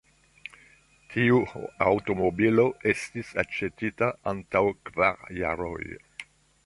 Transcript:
Tiu aŭtomobilo estis aĉetita antaŭ kvar jaroj.